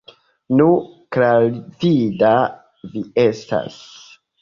Nu, klarvida vi estas!